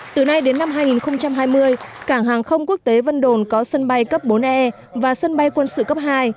từ nay đến năm hai nghìn hai mươi cảng hàng không quốc tế vân đồn có sân bay cấp bốn e và sân bay quân sự cấp hai